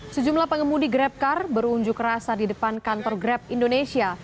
sejumlah pengemudi grabcar berunjuk rasa di depan kantor grab indonesia